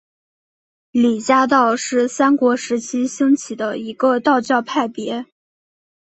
李家道是三国时期兴起的一个道教派别。